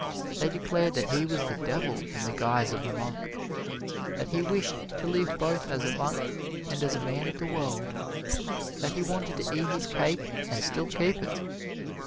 They declared that he was the devil in the guise of a monk; that he wished to live both as a monk and as a man of the world that he wanted to eat his cake and still keep it.